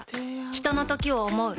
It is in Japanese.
ひとのときを、想う。